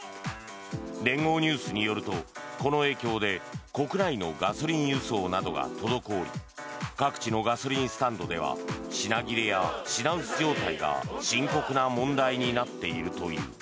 連合ニュースによるとこの影響で国内のガソリン輸送などが滞り各地のガソリンスタンドでは品切れや品薄状態が深刻な問題になっているという。